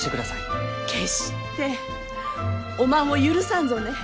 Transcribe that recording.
決しておまんを許さんぞね！